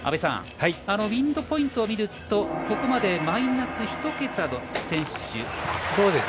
ウィンドポイントを見るとここまでマイナス１桁の選手。